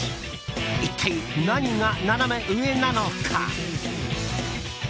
一体、何がナナメ上なのか。